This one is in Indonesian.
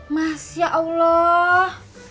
mas ya allah